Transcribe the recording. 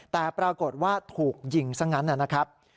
แต่ปรากฏว่าถูกยิงซะงั้นนะครับ